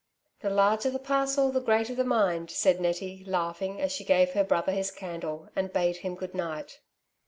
''The larger the parcel the greater the mind/' said Nettie, laughing, as she gave her brother his candle, and bade him good night.